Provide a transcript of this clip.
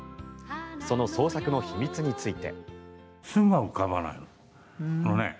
その創作の秘密について。